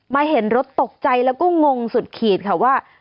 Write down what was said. เห็นรถตกใจแล้วก็งงสุดขีดค่ะว่า